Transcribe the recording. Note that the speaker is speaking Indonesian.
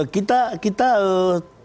kita komunikasi kita terbuka dengan siapa saja